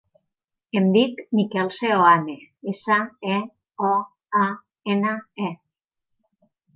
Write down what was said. Em dic Miquel Seoane: essa, e, o, a, ena, e.